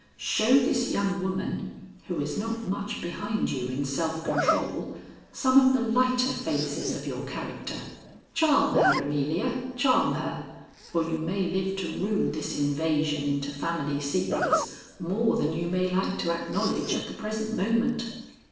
Show this young woman, who is not much behind you in self control, some of the lighter phases of your character. Charm her, Amelia, charm her, or you may live to rue this invasion into family secrets more than you may like to acknowledge at the present moment."